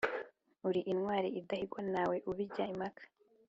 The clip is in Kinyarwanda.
uli intwali idahigwa ntawe ubijya impaka